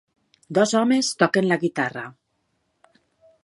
Dos homes toquen la guitarra.